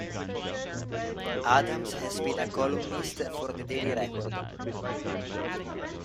Adams has been a columnist for the "Daily Record".